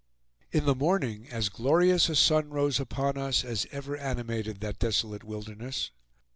In the morning as glorious a sun rose upon us as ever animated that desolate wilderness.